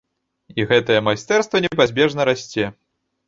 І гэтае майстэрства непазбежна расце.